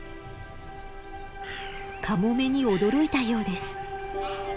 カモメに驚いたようです。